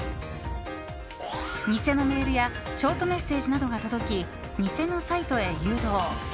偽のメールやショートメッセージなどが届き偽のサイトへ誘導。